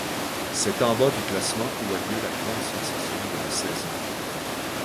C'est en bas du classement où a lieu la grande sensation de la saison.